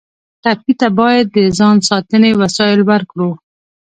ټپي ته باید د ځان ساتنې وسایل ورکړو.